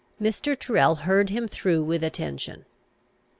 Mr. Tyrrel heard him through with attention.